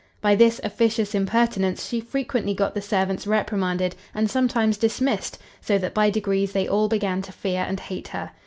By this officious impertinence she frequently got the servants reprimanded, and sometimes dismissed; so that by degrees they all began to fear and hate her.